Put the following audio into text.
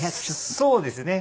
そうですね。